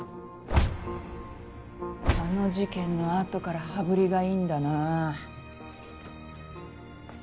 あの事件のあとから羽振りがいいんだな。